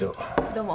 どうも。